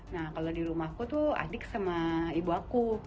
nah kalau di rumahku tuh adik sama ibu aku